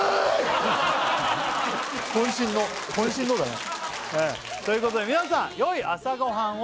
こん身のこん身のだねということで皆さんよい朝ごはんを！